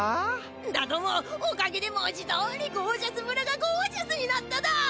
だどもおかげで文字どおりゴージャス村がゴージャスになっただ！